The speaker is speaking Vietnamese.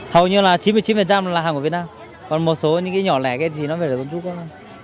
hầu như là chín mươi chín là hàng của việt nam còn một số những cái nhỏ lẻ cái gì nó về là con chú con không